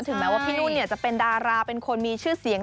แม้ว่าพี่นุ่นจะเป็นดาราเป็นคนมีชื่อเสียง